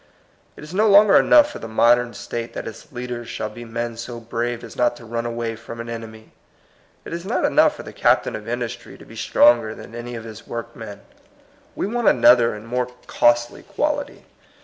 It is no longer enough for the modem state that its leaders shall be men so brave as not to run away from an enemy. It is not enough for the captain of industry to be stronger than any of his workmen. We want another and more costly quality.